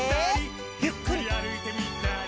「ゆっくりあるいてみたり」